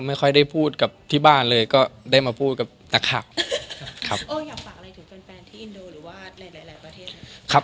ไม่ค่อยได้พูดกับที่บ้านเลยก็ได้มาพูดกับนักขับ